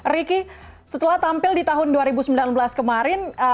riki setelah tampil di tahun dua ribu sembilan belas kemarin